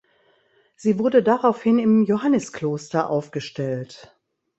Sie wurde daraufhin im Johanniskloster aufgestellt.